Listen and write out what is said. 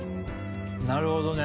なるほどね。